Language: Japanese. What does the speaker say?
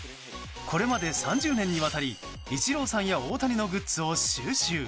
これまで３０年にわたりイチローさんや大谷のグッズを収集。